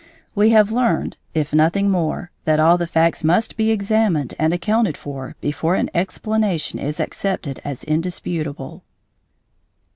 We have learned, if nothing more, that all the facts must be examined and accounted for before an explanation is accepted as indisputable.